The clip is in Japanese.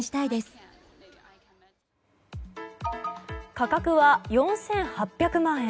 価格は４８００万円。